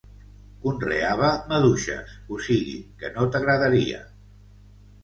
Conreava maduixes, o sigui que no t'agradaria.